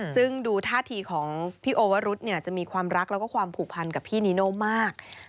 ซึ่งดูท่าทีของพี่โอวรุธจะมีความรักแล้วก็ความผูกพันกับพี่นีโน่มาก